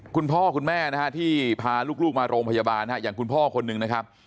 คุณพ่อคุณแม่นะฮะที่พาลูกมาโรงพยาบาลอย่างคุณพ่อคนหนึ่งนะครับ